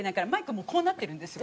もうこうなってるんですよ